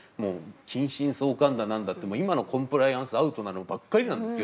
近親相姦だなんだって今のコンプライアンスアウトなのばっかりなんですよ。